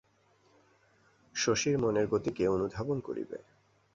শশীর মনের গতি কে অনুধাবন করিবে?